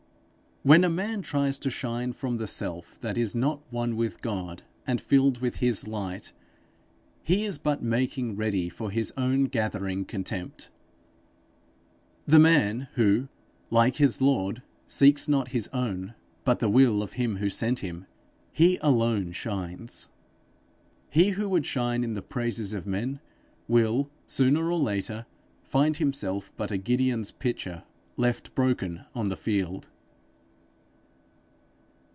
When a man tries to shine from the self that is not one with God and filled with his light, he is but making ready for his own gathering contempt. The man who, like his Lord, seeks not his own, but the will of him who sent him, he alone shines. He who would shine in the praises of men, will, sooner or later, find himself but a Gideon's pitcher left broken on the field.